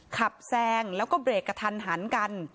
แซงแล้วก็เบรกกระทันหันกัน